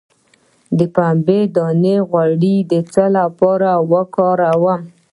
د پنبې دانه غوړي د څه لپاره وکاروم؟